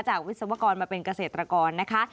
วิศวกรมาเป็นเกษตรกรนะคะ